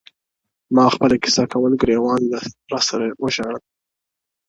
ما خپله کیسه کول ګرېوان راسره وژړل!!